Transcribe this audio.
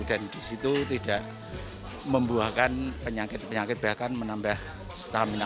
dan di situ tidak membuahkan penyakit penyakit bahkan menambah stamina